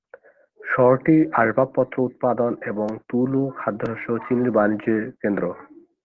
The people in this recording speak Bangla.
শহরটি আসবাবপত্র উৎপাদন এবং তুলো, খাদ্যশস্য ও চিনির বাণিজ্যের কেন্দ্র।